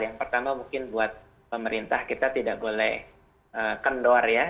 yang pertama mungkin buat pemerintah kita tidak boleh kendor ya